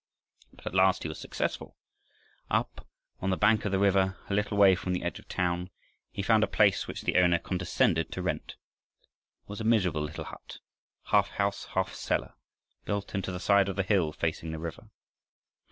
But at last he was successful. Up on the bank of the river, a little way from the edge of the town, he found a place which the owner condescended to rent. It was a miserable little hut, half house, half cellar, built into the side of the hill facing the river.